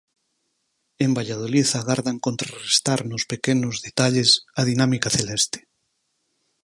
En Valladolid agardan contrarrestar nos pequenos detalles a dinámica celeste.